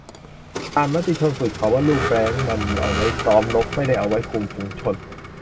อ่านมติชนสุด เขาว่าลูกแบลงก์มันเอาไว้ซ้อมรบ ไม่ได้เอาไว้คุมฝูงชน